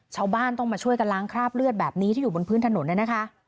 ชาวบ้านต้องมาช่วยกันล้างคราบเลือดแบบนี้ที่อยู่บนพื้นถนนน่ะนะคะ